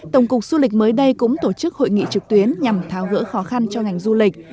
tổng cục du lịch mới đây cũng tổ chức hội nghị trực tuyến nhằm tháo gỡ khó khăn cho ngành du lịch